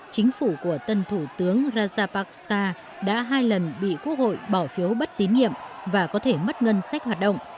chính phủ của tân thủ tướng rajabak sta đã hai lần bị quốc hội bỏ phiếu bất tín nhiệm và có thể mất ngân sách hoạt động